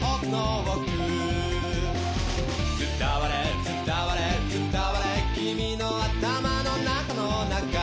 「伝われ伝われ伝われ君の頭の中の中」